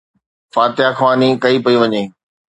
فاتحه خواني ڪئي پئي وڃي